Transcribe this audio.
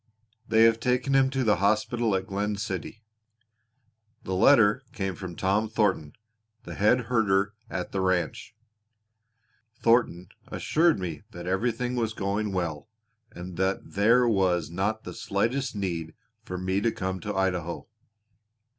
They have taken him to the hospital at Glen City. The letter came from Tom Thornton, the head herder at the ranch. Thornton assured me that everything was going well, and that there was not the slightest need for me to come to Idaho."